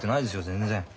全然。